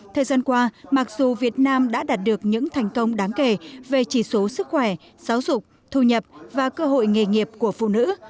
thời gian qua mặc dù việt nam đã đạt được những thành công đáng kể về chỉ số sức khỏe giáo dục thu nhập và cơ hội nghề nghiệp của phụ nữ